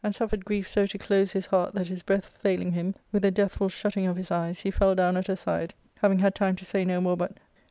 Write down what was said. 409 Suffered grief so to close his heart that his breath failing him, with a deathful shutting of his eyes, he fell down at her side, having had time to say no more but " Oh